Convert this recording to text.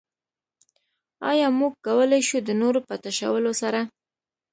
ايا موږ کولای شو د نورو په تشولو سره.